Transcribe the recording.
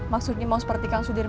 maksudnya mau seperti kang sudirman